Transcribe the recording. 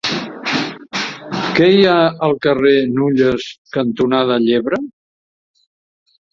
Què hi ha al carrer Nulles cantonada Llebre?